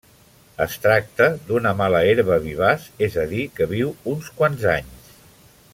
Es tracta d'una mala herba vivaç, és a dir que viu uns quants anys.